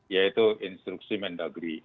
yaitu instruksi mendagri